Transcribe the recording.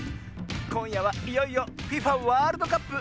こんやはいよいよＦＩＦＡワールドカップ